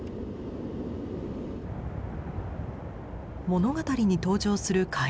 物語に登場する火焔